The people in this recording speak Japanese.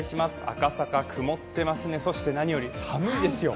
赤坂曇っていますね、そして何より寒いですよ。